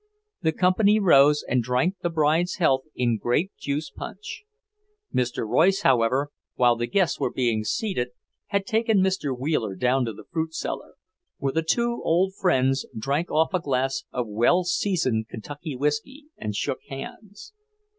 The company rose and drank the bride's health in grape juice punch. Mr. Royce, however, while the guests were being seated, had taken Mr. Wheeler down to the fruit cellar, where the two old friends drank off a glass of well seasoned Kentucky whiskey, and shook hands.